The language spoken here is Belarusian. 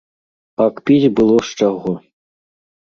Пакпіць было з чаго!